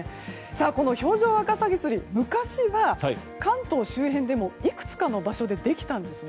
この氷上ワカサギ釣り昔は、関東周辺でもいくつかの場所でできたんです。